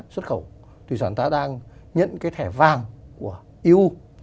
xuất khẩu thủy sản ta đang nhận cái thẻ vàng của eu